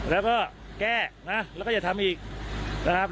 แล้วก็มันไหลเข้าซอย